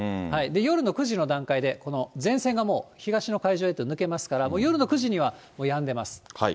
夜の９時の段階で、この前線がもう、東の海上へと抜けますから、夜の９時にはやんでます。